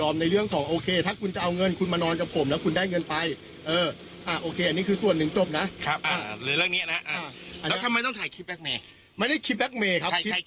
ไม่ได้เกี่ยวอะไรกันเลย